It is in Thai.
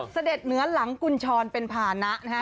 เสด็จเหนือหลังกุญชรเป็นภานะนะฮะ